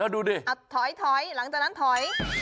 เฮ้ยเลยลงจากนั้นถอย